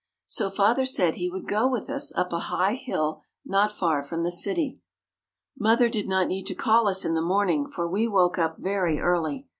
So father said he would go with us up a high hill not far from the city. Mother did not need to call us in the morning, for we woke up very early.